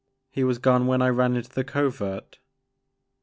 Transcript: He was gone when I ran into the covert."